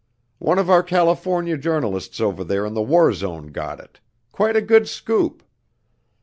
One of our California journalists over there in the war zone got it quite a good scoop.